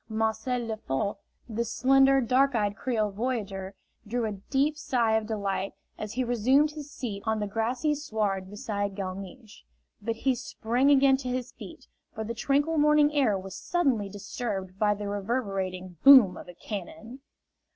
Marcel Lefort, the slender, dark eyed Creole voyageur, drew a deep sigh of delight as he resumed his seat on the grassy sward beside Galmiche. But he sprang again to his feet, for the tranquil morning air was suddenly disturbed by the reverberating boom of a cannon!